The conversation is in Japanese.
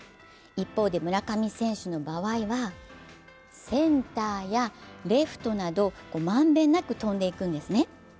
一方で村上選手の場合はセンターやレフトなど満遍なく飛んでいくんですね。